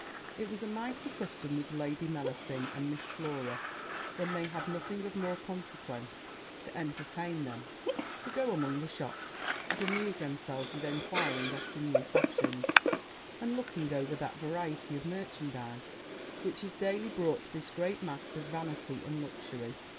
It was a mighty custom with Lady Mellasin and Miss Flora, when they had nothing of more consequence to entertain them, to go among the shops, and amuse themselves with enquiring after new fashions, and looking over that variety of merchandize which is daily brought to this great mart of vanity and luxury.